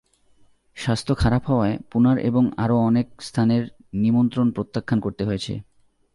স্বাস্থ্য খারাপ হওয়ায় পুণার এবং আরও অনেক স্থানের নিমন্ত্রণ প্রত্যাখ্যান করতে হয়েছে।